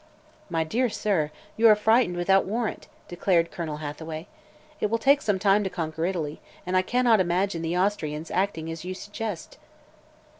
"My dear sir, you are frightened without warrant," declared Colonel Hathaway. "It will take some time to conquer Italy, and I cannot imagine the Austrians acting as you suggest."